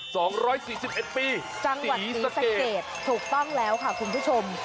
สองร้อยสี่สิบเอ็ดปีจังหวัดศรีสะเกดถูกต้องแล้วค่ะคุณผู้ชม